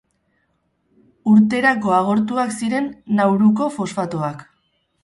Urterako agortuak ziren Nauruko fosfatoak.